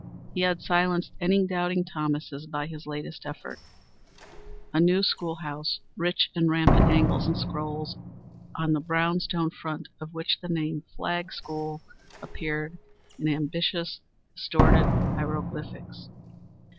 He had silenced any doubting Thomases by his latest effort, a new school house, rich in rampant angles and scrolls, on the brown stone front of which the name Flagg School appeared in ambitious, distorted hieroglyphics.